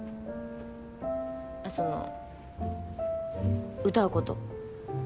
その歌うこと。